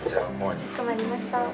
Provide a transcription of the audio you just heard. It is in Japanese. かしこまりました。